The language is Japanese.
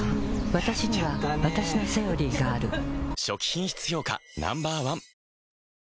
わたしにはわたしの「セオリー」がある初期品質評価Ｎｏ．１